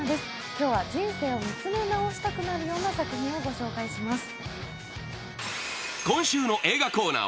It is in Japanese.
今日は人生を見つめ直したくなるような作品をご紹介します。